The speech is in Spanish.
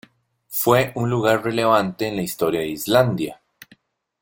Fue un lugar relevante en la historia de Islandia.